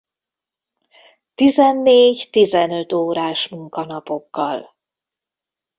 Tizennégy-tizenöt órás munkanapokkal.